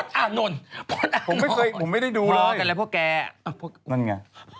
อย่าไปแชร์กันนะ